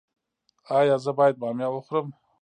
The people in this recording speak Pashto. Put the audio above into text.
ایا زه باید بامیه وخورم؟